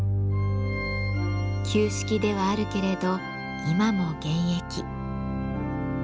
旧式ではあるけれど今も現役。